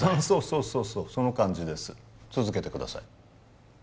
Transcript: そうそうそうその感じです続けてください